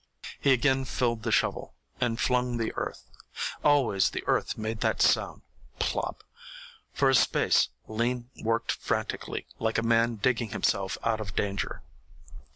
He again filled the shovel and flung the earth. Always the earth made that sound plop! For a space Lean worked frantically, like a man digging himself out of danger.